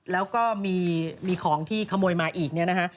แล้วก็มีของที่ขโมยมาอีกเนี่ยนะฮะ